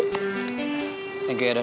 thank you adam